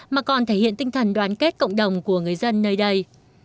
mà còn thể hiện tinh thần đoàn kết cộng đồng của người dân nơi đây